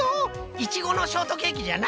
イチゴのショートケーキじゃな！